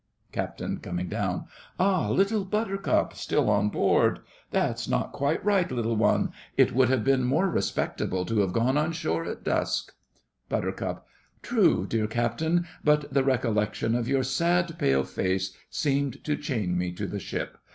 CAPT. (coming down). Ah! Little Buttercup, still on board? That is not quite right, little one. It would have been more respectable to have gone on shore at dusk. BUT, True, dear Captain—but the recollection of your sad pale face seemed to chain me to the ship.